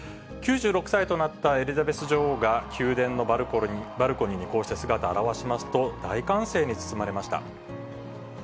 ９６歳となったエリザベス女王が、宮殿のバルコニーにこうして姿を現しますと、大歓声に包まれました。